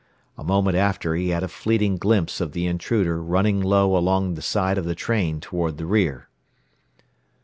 A moment after he had a fleeting glimpse of the intruder running low along the side of the train toward the rear.